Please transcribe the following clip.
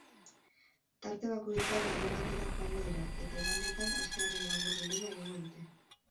Tarte bakoitzean herri batera joango dira eta igandetan astearen labur bilduma egingo dute.